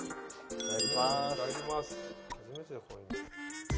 いただきます。